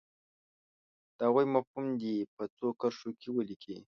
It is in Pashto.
د هغو مفهوم دې په څو کرښو کې ولیکي.